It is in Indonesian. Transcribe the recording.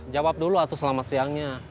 jawab dulu atau selamat siangnya